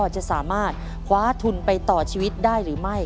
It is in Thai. จะสามารถคว้าทุนไปต่อชีวิตได้หรือไม่